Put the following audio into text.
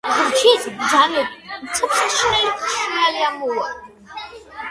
ღვთის ბრძანებით უცებ საშინელი ქარიშხალი ამოვარდა.